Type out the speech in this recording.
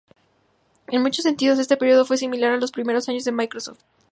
En muchos sentidos, este período fue similar a los primeros años de Microsoft.